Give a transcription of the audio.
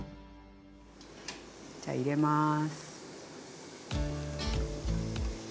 じゃ入れます。